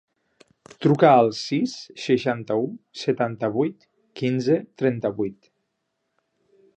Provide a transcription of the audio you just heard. Truca al sis, seixanta-u, setanta-vuit, quinze, trenta-vuit.